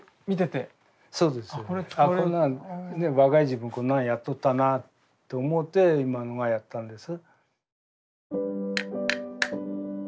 若い時分こんなんやっとったなぁと思って今のがやったんです。